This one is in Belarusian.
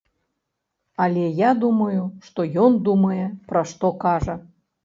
Але я думаю, што ён думае, пра што кажа.